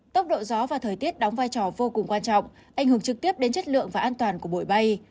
tốc độ gió và thời tiết đóng vai trò vô cùng quan trọng ảnh hưởng trực tiếp đến chất lượng và an toàn của bụi bay